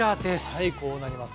はいこうなります。